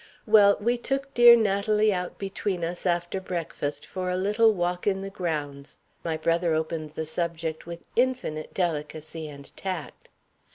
"Well, we took dear Natalie out between us, after breakfast, for a little walk in the grounds. My brother opened the subject with infinite delicacy and tact.